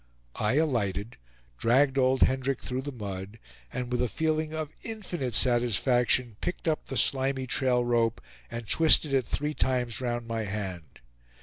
I alighted, dragged old Hendrick through the mud, and with a feeling of infinite satisfaction picked up the slimy trail rope and twisted it three times round my hand.